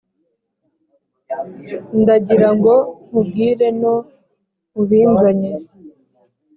ndagirango nkubwire no mubinzanye